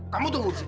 kamu tunggu di sini